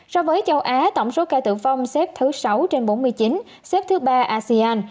so với châu á tổng số ca tử vong xếp thứ sáu trên bốn mươi chín xếp thứ ba asean